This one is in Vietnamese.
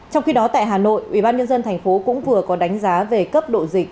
trong khi đó tại hà nội ubnd thành phố cũng vừa có đánh giá về cấp độ dịch